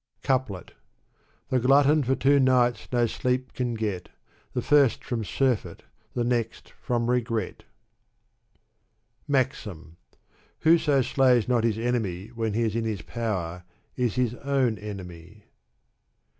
Couplet The glutton for two nights no sleep can get ; The first from surfeit, the next from regret, MAKDI. Whoso slays not his enemy when he Is in his power is his own enemy.